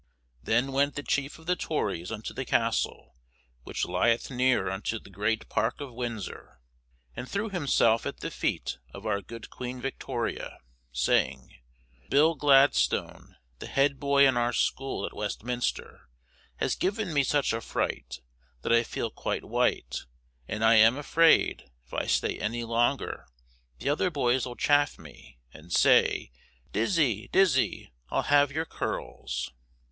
Then went the Chief of the Tories unto the Castle which lieth near unto the Great Park of Windsor, and threw himself at the feet of our good Queen Victoria, saying, Bill Gladstone, the head boy in our school at Westminster, has given me such a fright, that I feel quite white, and I am afraid if I stay any longer, the other boys will chaff me, and say, "Dizzy, Dizzy, I'll have your curls!"